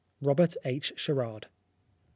ROBERT H. SHERARD.